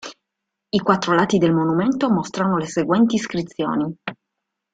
I quattro lati del monumento mostrano le seguenti iscrizioni.